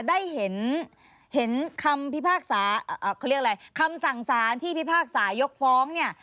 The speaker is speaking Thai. ได้เห็นเห็นคำพิพากษาเขาเรียกอะไรคำสั่งสารที่พิพากษายกฟ้องเนี่ย